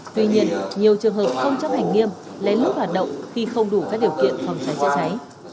tuy nhiên nhiều trường hợp không chấp hành nghiêm lén lút hoạt động khi không đủ các điều kiện phòng cháy chữa cháy